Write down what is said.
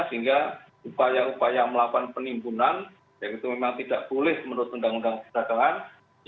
sehingga upaya upaya melakukan penimbunan yang itu memang tidak boleh menurut undang undang perdagangan